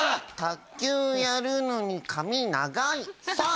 卓球やるのに髪長いサァ！